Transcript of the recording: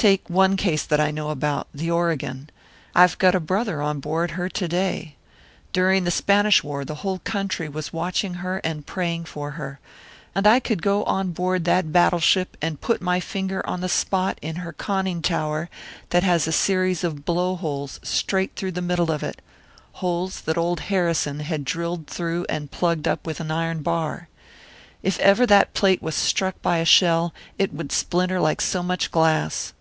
Take one case that I know about the Oregon. I've got a brother on board her to day. During the Spanish War the whole country was watching her and praying for her. And I could go on board that battleship and put my finger on the spot in her conning tower that has a series of blow holes straight through the middle of it holes that old Harrison had drilled through and plugged up with an iron bar. If ever that plate was struck by a shell, it would splinter like so much glass."